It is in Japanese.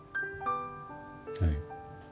はい。